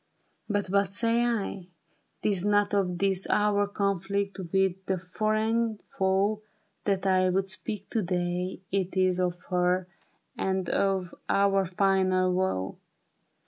But what say I ?' Tis not of this Our conflict with the foreign foe, That I would speak to day — it is Of her and of our final woe.